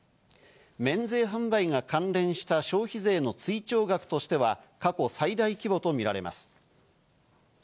免税販売が関連した消費税の追徴額としては過去最大規模とみられます。